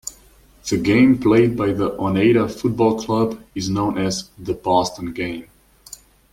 The game played by the Oneida Football Club is known as the "Boston game".